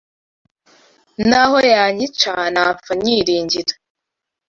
Naho yanyica, napfa nyiringira.”